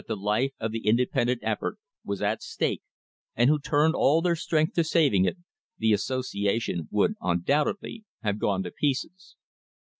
THE HISTORY OF THE STANDARD OIL COMPANY stake, and who turned all their strength to saving it, the association would undoubtedly have gone to pieces.